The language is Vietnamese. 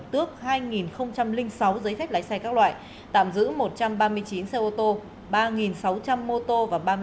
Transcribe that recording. tước hai sáu giấy phép lái xe các loại tạm giữ một trăm ba mươi chín xe ô tô ba sáu trăm linh mô tô